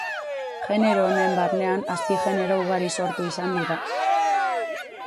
Genero honen barnean azpigenero ugari sortu izan dira.